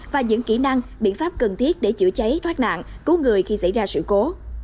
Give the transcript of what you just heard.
và những kỹ năng biện pháp cần thiết để chữa cháy thoát nạn cứu người khi xảy ra sự cố